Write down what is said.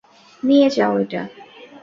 নিয়ে যাও এটা!